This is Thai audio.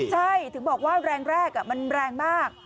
ใช่ถึงบอกว่าแรงแรกมันแรงมาก